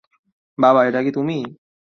বাবা, এটা কি তুমি?